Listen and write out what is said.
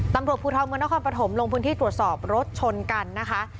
ตำรวจภูทรเมืองนครปฐมลงพื้นที่ตรวจสอบรถชนกันนะคะ